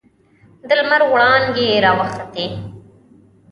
د لمر وړانګې راوخوتې.